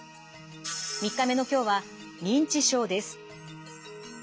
３日目の今日は認知症です。